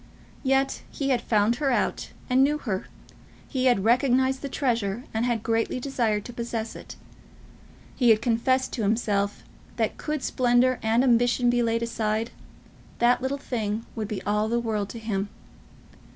Yet he had found her out, and knew her. He had recognised the treasure, and had greatly desired to possess it. He had confessed to himself that, could splendour and ambition be laid aside, that little thing would be all the world to him.